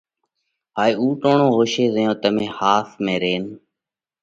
هائي اُو ٽوڻو هوشي زئيون تمي ۿاس ۾ رينَ